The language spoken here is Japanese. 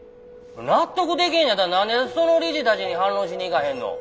納得でけへんのやったら何でその理事たちに反論しに行かへんの？